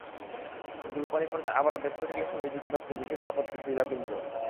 কিন্তু রুপালি পর্দায় আবারও দেব প্যাটেলের সঙ্গে জুটি বাঁধতে ভীষণই আপত্তি ফ্রিদা পিন্টোর।